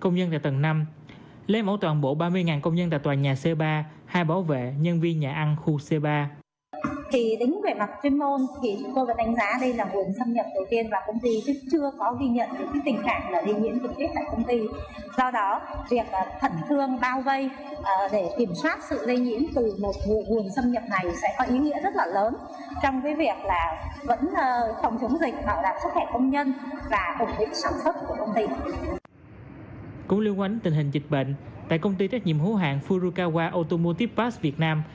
cũng liên quan đến tình hình dịch bệnh tại công ty trách nhiệm hữu hạng furukawa automotive pass việt nam